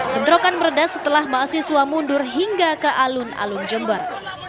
bentrokan meredah setelah mahasiswa mundur hingga ke alun alun jember